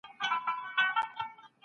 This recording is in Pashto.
د قانون په وړاندې ټول مساوي دي.